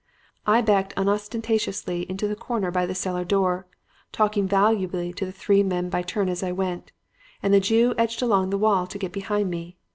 "I backed unostentatiously into the corner by the cellar door, talking volubly to the three men by turn as I went; and the Jew edged along the wall to get behind me.